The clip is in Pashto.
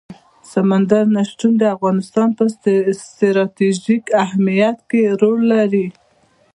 سمندر نه شتون د افغانستان په ستراتیژیک اهمیت کې رول لري.